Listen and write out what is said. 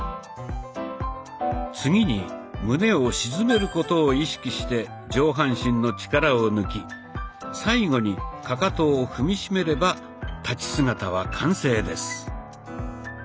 次に胸を沈めることを意識して上半身の力を抜き最後にかかとを踏み締めれば立ち姿は完成です。